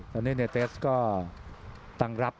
แล้วนี่เนเตสก็ต่างรับ